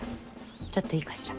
ちょっといいかしら？